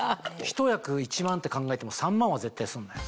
ひと役１万って考えても３万は絶対すんのよ。